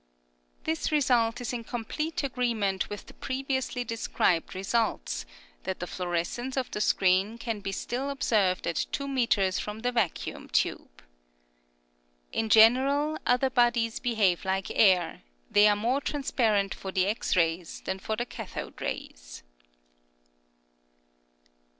This result' is in complete agreement with the previously described result, that the fluorescence of the screen can be still ob served at 2 metres from the vacuum tube. In general other bodies behave like air; they are more transparent for the X rays than for the cathode rays.